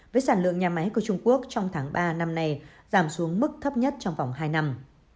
với sản lượng nhà máy của trung quốc trong tháng ba năm nay giảm xuống mức thấp nhất trong vòng hai năm